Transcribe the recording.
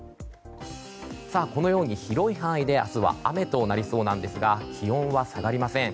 このように広い範囲で明日は雨となりそうなんですが気温は下がりません。